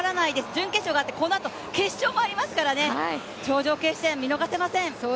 準決勝があって、このあと決勝もありますからね、頂上決戦、見逃せません！